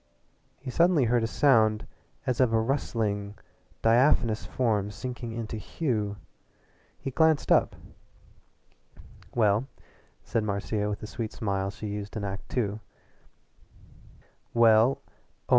He suddenly heard a sound as of a rustling, diaphanous form sinking into Hume. He glanced up. "Well," said Marcia with the sweet smile she used in Act Two ("Oh, so the Duke liked my dancing!")